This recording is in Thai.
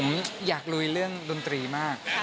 ผมอยากลุยเรื่องดนตรีมาก